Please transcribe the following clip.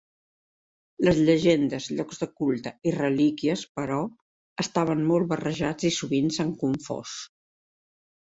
Les llegendes, llocs de culte i relíquies, però, estaven molt barrejats i sovint s'han confós.